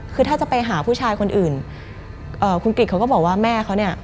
คือถ้าจะไปหาผู้ชายคนอื่นเอ่อคุณกริจเขาก็บอกว่าแม่เขาเนี่ย